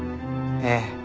ええ。